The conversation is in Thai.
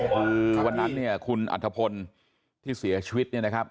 คือวันนั้นเนี่ยคุณอัธพลที่เสียชีวิตเนี่ยนะครับ